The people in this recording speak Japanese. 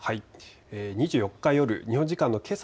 ２４日夜、日本時間のけさ